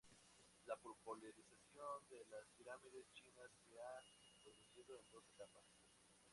La popularización de las pirámides chinas se ha producido en dos etapas.